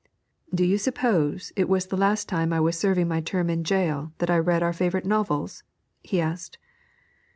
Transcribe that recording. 'Do you suppose it was the last time I was serving my term in gaol that I read our favourite novels?' he asked.